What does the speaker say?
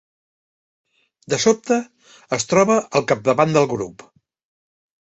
De sobte es troba al capdavant del grup.